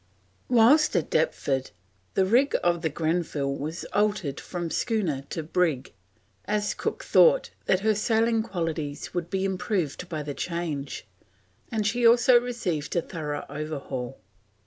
Whilst at Deptford, the rig of the Grenville was altered from schooner to brig, as Cook thought that her sailing qualities would be improved by the change, and she also received a thorough overhaul.